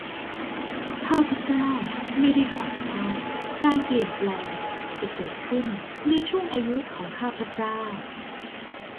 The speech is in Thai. ข้าพเจ้าไม่ได้ฝันว่าการเปลี่ยนแปลงจะเกิดขึ้นในช่วงอายุของข้าพเจ้า